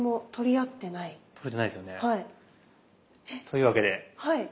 というわけで。